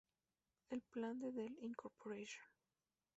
El plan de Dell Inc.